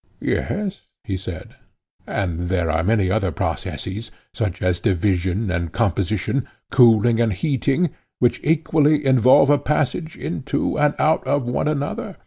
Yes, he said. And there are many other processes, such as division and composition, cooling and heating, which equally involve a passage into and out of one another.